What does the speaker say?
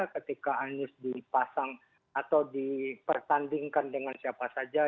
ketika anies dipasang atau dipertandingkan dengan siapa saja